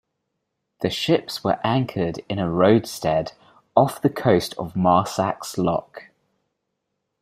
The ships were anchored in a roadstead off the coast of Marsaxlokk.